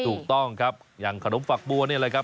ถูกต้องครับอย่างขนมฝักบัวนี่แหละครับ